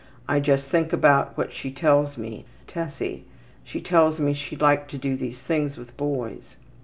I just think about what she tells me, Tessie. She tells me she liked to do these things with boys.''